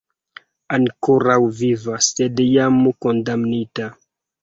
Ankoraŭ viva, sed jam kondamnita.